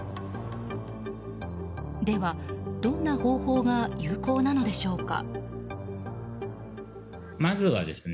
では、どんな方法が有効なのでしょうか？